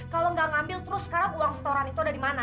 kalau gak ngambil terus sekarang uang setoran itu ada dimana